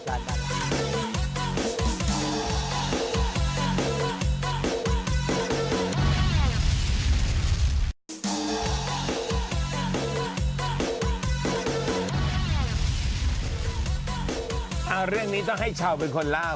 เอาเรื่องนี้ต้องให้ชาวเป็นคนเล่า